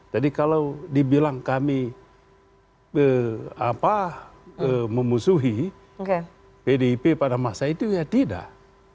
jadi kalau dibilang kami apa memusuhi pdip pada masa itu ya tidak